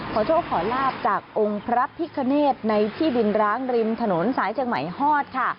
โชคขอลาบจากองค์พระพิคเนธในที่ดินร้างริมถนนสายเชียงใหม่ฮอดค่ะ